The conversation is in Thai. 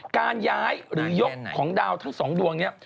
การย้ายหรือยกของดาวทั้งสองดวงนี้